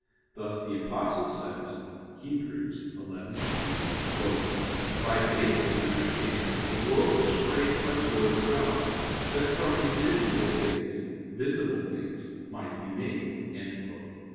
Thus the Apostle says (Heb. 11:3): "By faith we understand that the world was framed by the Word of God; that from invisible things visible things might be made."